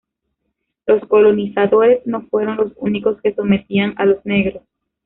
Los colonizadores no fueron los únicos que sometían a los negros.